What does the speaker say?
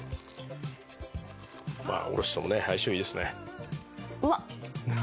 おろしともね相性いいですね。